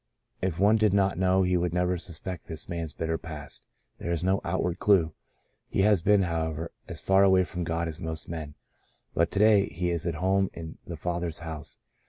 If one did not know he would never suspect this man's bitter past. There is no outward clue. He has been, however, as far away from God as most men, but to day he is at home in the Father's house.